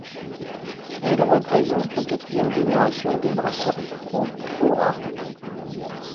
Elle représente la quatrième génération des brasseurs Contreras.